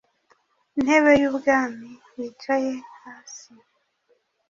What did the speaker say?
Ntebe y ubwami wicare hasi